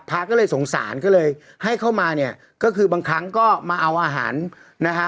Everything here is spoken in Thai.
พระก็เลยสงสารก็เลยให้เข้ามาเนี่ยก็คือบางครั้งก็มาเอาอาหารนะฮะ